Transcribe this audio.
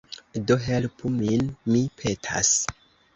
Do helpu min, mi petas.